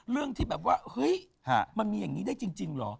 เรื่องที่แบบว่าเฮ้ยมันมีอย่างนี้ได้จริงเหรอ